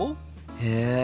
へえ。